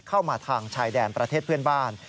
เข้ามาทางชายแดนประเทศเพื่อนบ้าน